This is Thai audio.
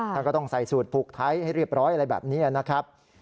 ก็ต้องใส่สูตรผูกไทยให้เรียบร้อยอะไรแบบนี้นะครับ